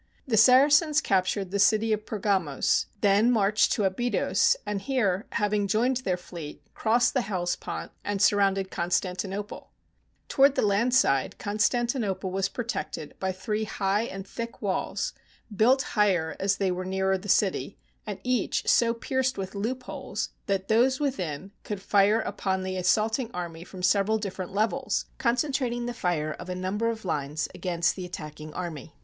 The Saracens captured the city of Pergamos, then marched to Abydos, and here, having joined their fleet, crossed the Hellespont and surrounded Constantinople. Toward the land side, Constanti nople was protected by three high and thick walls, built higher as they were nearer the city, and each so pierced with loopholes that those within could THE BOOK OF FAMOUS SIEGES fire upon the assaulting army from several different levels, concentrating the fire of a number of lines against the attacking army.